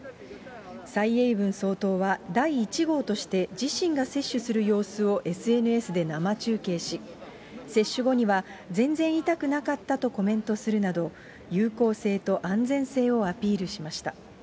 蔡英文総統は第１号として、自身が接種する様子をＳＮＳで生中継し、接種後には、全然痛くなかったとコメントするなど、有効性と安全性をアピールしました。